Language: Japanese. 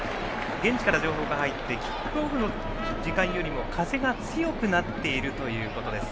現地から情報が入ってキックオフの時間よりも風が強くなっているということです。